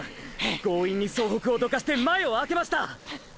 強引に総北をどかして前を開けましたァ！！